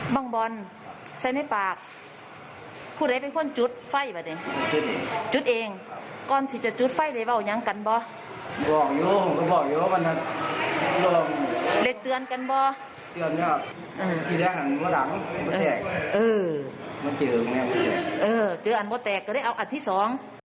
เออเจออันมาแต่งก็ได้เอาอันที่สอง